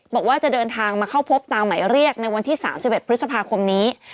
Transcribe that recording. บอกว่าจะเดินทางมาเข้าพบตามหมายเรียกในวันที่๓๑พฤษภาคมนี้